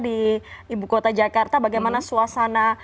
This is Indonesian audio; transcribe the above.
di ibu kota jakarta bagaimana suasana